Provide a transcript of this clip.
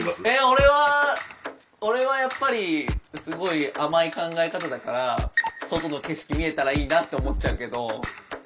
俺は俺はやっぱりすごい甘い考え方だから外の景色見えたらいいなって思っちゃうけど何だろうね。